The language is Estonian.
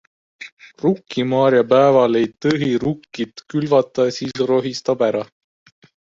Rukkimaarjapäeval ei tõhi rukkid külvata, siis rohistab ära.